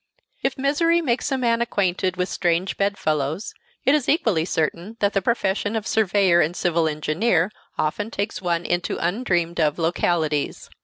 If misery makes a man acquainted with strange bed fellows, it is equally certain that the profession of surveyor and civil engineer often takes one into undreamed of localities.